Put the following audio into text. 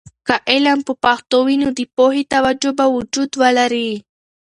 که علم په پښتو وي، نو د پوهې توجه به وجود ولري.